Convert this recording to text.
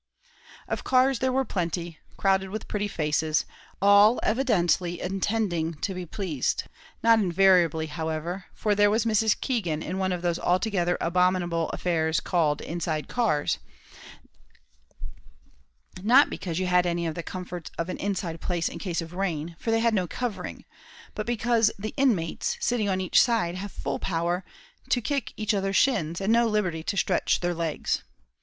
Of cars there were plenty, crowded with pretty faces, all evidently intending to be pleased; not invariably, however, for there was Mrs. Keegan in one of those altogether abominable affairs called inside cars, not because you had any of the comforts of an inside place in case of rain, for they have no covering, but because the inmates, sitting on each side, have full power to kick each other's shins, and no liberty to stretch their legs.